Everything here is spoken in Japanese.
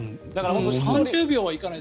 ３０秒は行かない。